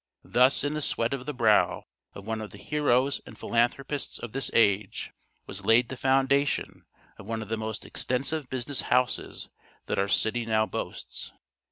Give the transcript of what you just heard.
Thus in the sweat of the brow of one of the heroes and philanthropists of this age, was laid the foundation of one of the most extensive business houses that our city now boasts.